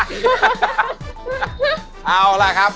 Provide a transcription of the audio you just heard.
แว็กซี่ตำแหน่งที่๑ครับ